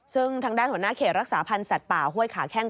ซึ่งทางด้านหัวหน้าเขตรักษาพันธ์สัตว์ป่าห้วยขาแข้ง